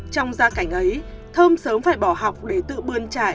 trong gia cảnh ấy thơm sớm phải bỏ học để tự bươn trải